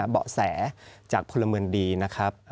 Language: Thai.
เบาะแสจากพลเมืองดีนะครับ